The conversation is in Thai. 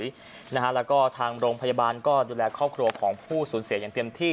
แล้วก็ทางโรงพยาบาลก็ดูแลครอบครัวของผู้สูญเสียอย่างเต็มที่